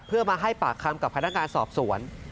เพื่อมาให้ปากคำกับพนักงานสอบสวน